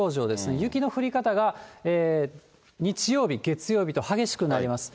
雪の降り方が、日曜日、月曜日と激しくなります。